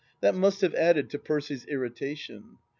That must have added to "Percy's irrita tion.